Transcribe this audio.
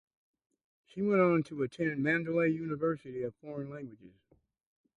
She went on to attend Mandalay University of Foreign Languages.